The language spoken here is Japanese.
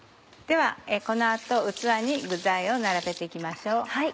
ではこの後器に具材を並べて行きましょう。